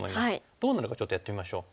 どうなるかちょっとやってみましょう。